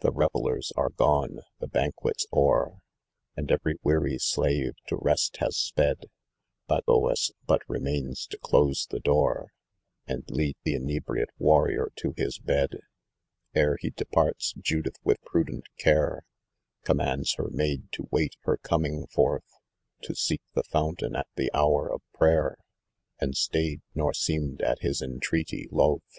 The revellers are gone, the banquet's o'er, And every weary slave to rest has sped; Bagoas but remains to close the door And lead th' inebriate warrior to his bed* Ere he departs, Judith w'uh prudent care, Commands her maid to wait her coining forth, To seek the fountain at the hour of prayer, And stayed; nor seemed, at bis entreaty, loth.